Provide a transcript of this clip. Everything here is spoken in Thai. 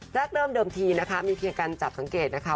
เริ่มเดิมทีนะคะมีเพียงการจับสังเกตนะคะ